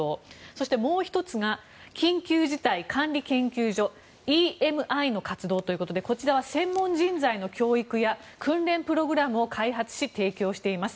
そしてもう１つが緊急事態管理研究所・ＥＭＩの活動ということでこちらは専門人材の教育や訓練プログラムを開発し提供しています。